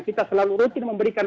kita selalu rutin memberikan